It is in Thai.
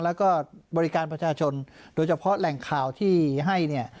แล้วก็บริการประชาชนโดยเฉพาะแหล่งข่าวที่ให้เนี่ย